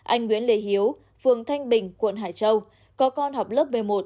anh nguyễn lê hiếu phường thanh bình quận hải châu có con học lớp b một